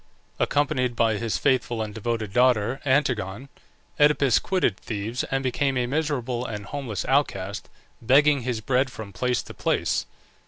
Accompanied by his faithful and devoted daughter Antigone, Oedipus quitted Thebes and became a miserable and homeless outcast, begging his bread from place to place.